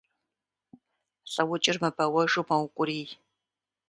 Лӏыукӏыр мыбэуэжу мэукӏурий.